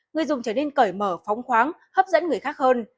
người dùng trở nên cởi mở phóng khoáng hấp dẫn người khác hơn